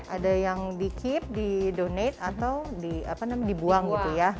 ada yang di keep di donate atau di apa namanya dibuang gitu ya